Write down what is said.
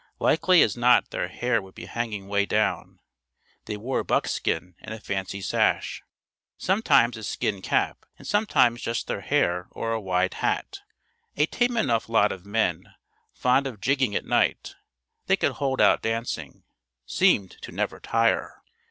Likely as not their hair would be hanging way down. They wore buckskin and a fancy sash. Sometimes a skin cap and sometimes just their hair or a wide hat. A tame enough lot of men, fond of jigging at night. They could hold out dancing. Seemed to never tire.